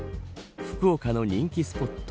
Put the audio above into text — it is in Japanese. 福岡の人気スポット